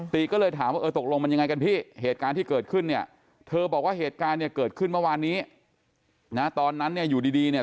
ก็เลยถามว่าเออตกลงมันยังไงกันพี่เหตุการณ์ที่เกิดขึ้นเนี่ยเธอบอกว่าเหตุการณ์เนี่ยเกิดขึ้นเมื่อวานนี้นะตอนนั้นเนี่ยอยู่ดีเนี่ย